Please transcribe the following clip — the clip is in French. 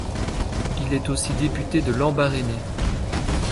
Il est aussi député de Lambaréné.